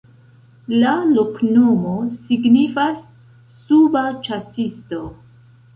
La loknomo signifas: suba-ĉasisto.